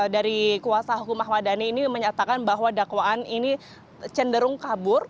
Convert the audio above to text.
dari kuasa hukum ahmad dhani ini menyatakan bahwa dakwaan ini cenderung kabur